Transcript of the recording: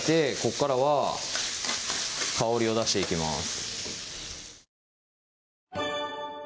ここからは香りを出していきます